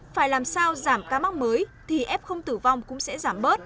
phải làm sao giảm ca mắc mới thì f tử vong cũng sẽ giảm bớt